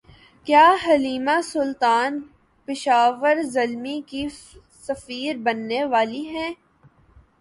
کیا Halima Sultan Peshawar Zalmi کی سفیر بننے والی ہیں